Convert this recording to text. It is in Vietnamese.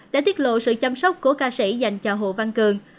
đã tiết lộ sự chăm sóc của ca sĩ dành cho hồ văn cường